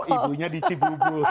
ibunya di cibubur